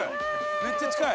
めっちゃ近い。